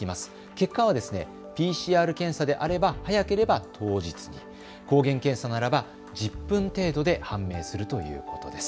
結果はＰＣＲ検査であれば早ければ当日に、抗原検査ならば１０分程度で判明するということです。